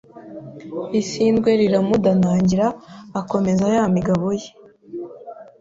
Isindwe riramudanangira akomeza ya migabo ye